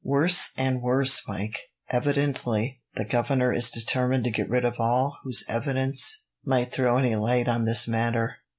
"Worse and worse, Mike! Evidently, the governor is determined to get rid of all whose evidence might throw any light on this matter.